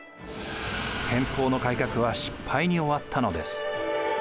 天保の改革は失敗に終わったのです。